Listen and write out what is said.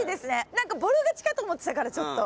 なんかボロ勝ちかと思ってたからちょっと。